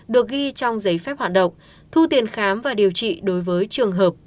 được ghi trong giấy phép hoạt động thu tiền khám và điều trị đối với trường hợp